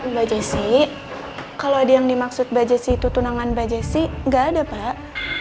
mbak jessy kalau ada yang dimaksud mbak jessy itu tunangan mbak jessy ga ada pak